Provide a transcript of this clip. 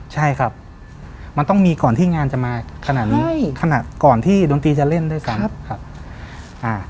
ใช่ครับมันต้องมีก่อนที่งานจะมาขนาดนี้ขนาดก่อนที่ดนตรีจะเล่นด้วยกันครับอ่า